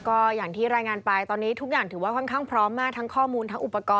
ก็อย่างที่รายงานไปทีที่ทั้งค่อนข้างพร้อมมาก